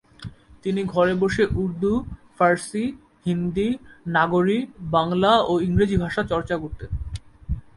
তিনি ঘরে বসে উর্দু, ফার্সী, হিন্দি, নাগরী, বাংলা ও ইংরেজি ভাষা চর্চা করতেন।